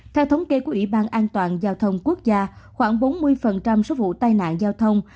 theo thống kê của ủy ban an toàn giao thông quốc gia khoảng bốn mươi số vụ tai nạn giao thông